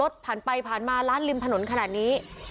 แต่พี่ผู้หญิงคนนี้กะเดินมา